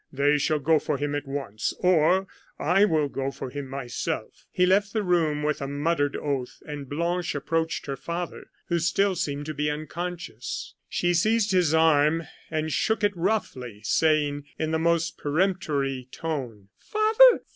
They shall go for him at once, or I will go for him myself " He left the room with a muttered oath, and Blanche approached her father, who still seemed to be unconscious. She seized his arm and shook it roughly, saying, in the most peremptory tone: "Father!